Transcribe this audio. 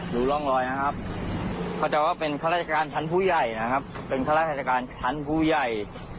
ดูร่องรอยนะครับเข้าใจว่าเป็นข้าราชการชั้นผู้ใหญ่นะครับเป็นข้าราชการชั้นผู้ใหญ่